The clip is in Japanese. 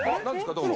どうも。